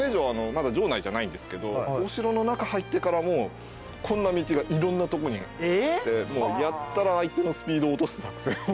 まだ城内じゃないんですけどお城の中入ってからもこんな道がいろんなとこにあってやたら相手のスピードを落とす作戦を。